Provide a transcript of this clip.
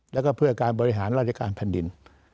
แล้วก็เพื่อการบริหารราชการแผ่นดิน